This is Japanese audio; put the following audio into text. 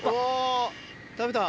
食べた。